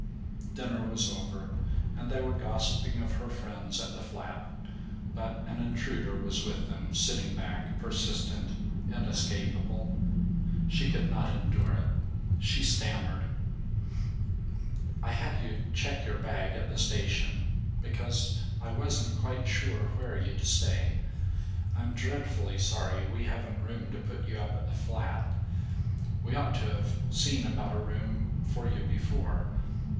Dinner was over and they were gossiping of her friends at the flat, but an intruder was with them, sitting back, persistent, inescapable. She could not endure it. She stammered: "I had you check your bag at the station because I wasn't quite sure where you'd stay. I'm dreadfully sorry we haven't room to put you up at the flat. We ought to have seen about a room for you before.